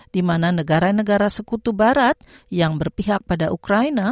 di mana negara negara sekutu barat yang berpihak pada ukraina